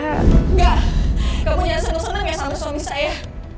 enggak kamu jangan seneng seneng sama suami saya